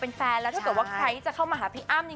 เป็นแฟนรัชปะถ้าเกิดว่าใครจะเข้ามาหาพี่อ้าม